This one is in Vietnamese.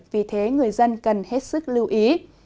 vì thế người dân cần hết sức lưu ý